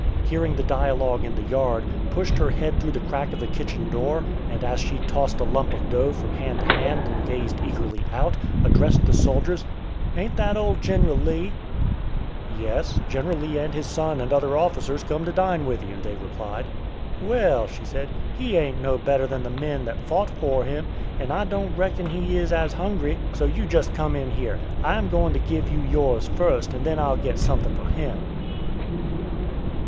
hearing the dialogue in the yard, pushed her head through the crack of the kitchen door, and, as she tossed a lump of dough from hand to hand and gazed eagerly out, addressed the soldiers: "Ain't that old General Lee?" "Yes; General Lee and his son and other officers come to dine with you," they replied. "Well," she said, "he ain't no better than the men that fought for him, and I don't reckon he is as hungry; so you just come in here. I am going to give you yours first, and then I'll get something for him!"